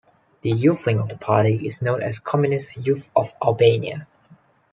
The youth wing of the party is known as Communist Youth of Albania.